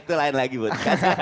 itu lain lagi bud